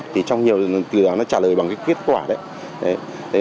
thì trong nhiều điều nó trả lời bằng kết quả đấy